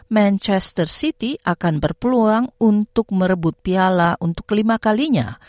manchester city akan berpeluang untuk merebut piala untuk kelima kalinya